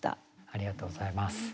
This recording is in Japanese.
ありがとうございます。